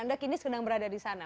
anda kini sedang berada di sana